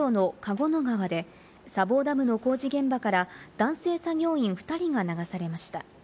合野川で砂防ダムの工事現場から男性作業員２人が流されました。